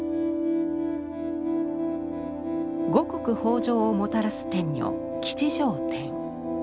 五穀豊穣をもたらす天女吉祥天。